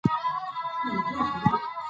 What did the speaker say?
تعلیم د نهار د امانت حق دی.